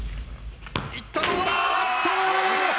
いったどうだ？